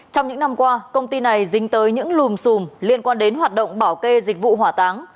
trong những năm qua công ty này dính tới những lùm xùm liên quan đến hoạt động bảo kê dịch vụ hỏa táng